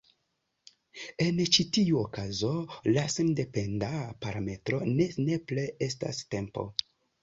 En ĉi tiu okazo la sendependa parametro ne nepre estas tempo.